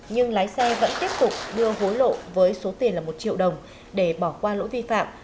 nhưng lái xe vẫn tiếp tục đưa hối lộ với số tiền là một triệu đồng để bỏ qua lỗi vi phạm